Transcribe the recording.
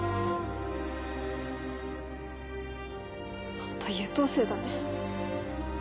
ホント優等生だね。